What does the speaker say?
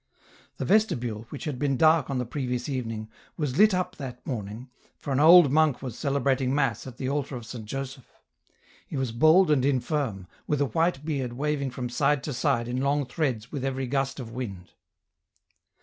The vestibule, which had been dark on the previous evening, was lit up that morning, for an old monk was celebrating mass at the altar of St. Joseph. He was bald and infirm, with a white beard waving from side to side in long threads with every gust of wind.